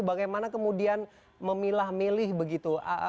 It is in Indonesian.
bagaimana kemudian memilah milih begitu